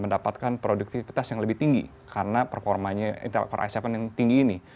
memungkinkan produktivitas yang lebih tinggi karena performanya intel core i tujuh yang tinggi ini